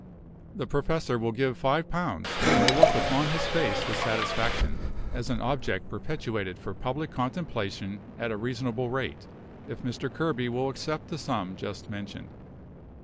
"The Professor will give five pounds; and will look upon his face with satisfaction, as an object perpetuated for public contemplation at a reasonable rate, if Mr. Kerby will accept the sum just mentioned.